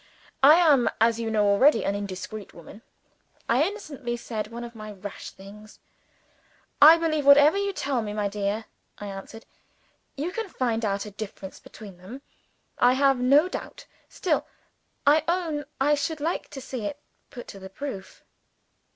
I am, as you know already, an indiscreet woman. I innocently said one of my rash things. "I believe whatever you tell me, my dear," I answered. "You can find out a difference between them, I have no doubt. Still, I own I should like to see it put to the proof."